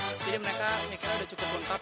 jadi mereka saya kira udah cukup lengkap